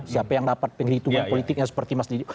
siapa yang dapat penghitungan politiknya seperti mas didi